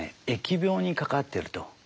疫病にかかってると。